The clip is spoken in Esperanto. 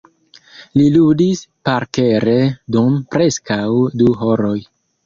Li ludis parkere dum preskaŭ du horoj.